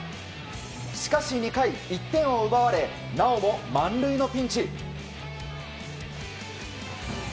しかし２回、１点を奪われなおも満塁のピンチ。